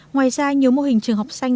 ngoài ra nhiều mô hình trường học xanh